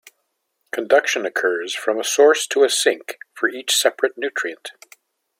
Conduction occurs from a source to a sink for each separate nutrient.